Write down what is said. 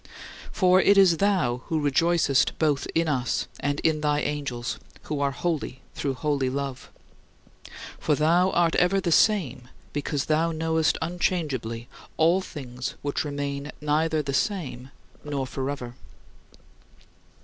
For it is thou who rejoicest both in us and in thy angels, who are holy through holy love. For thou art ever the same because thou knowest unchangeably all things which remain neither the same nor forever.